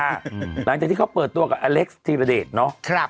หลังจากที่เขาเปิดตัวกับอเล็กซ์ธีรเดชเนาะ